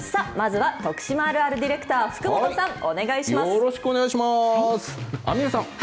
まずは徳島あるあるディレクター、よろしくお願いします。